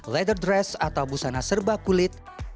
letter dress atau busana serba kulit